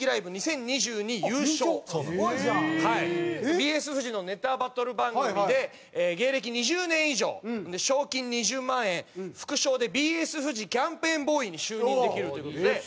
ＢＳフジのネタバトル番組で芸歴２０年以上賞金２０万円副賞でＢＳフジキャンペーンボーイに就任できるという事で。